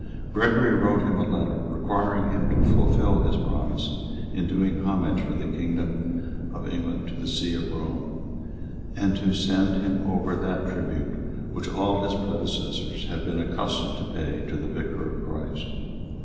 Gregory wrote him a letter, requiring him to fulfil his promise in doing homage for the kingdom of England to the see of Rome, and to sent him over that tribute which all his predecessors had been accustomed to pay to the vicar of Christ.